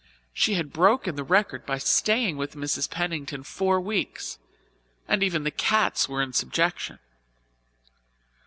She had broken the record by staying with Mrs. Pennington four weeks, and even the cats were in subjection.